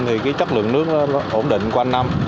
thì chất lượng nước ổn định qua năm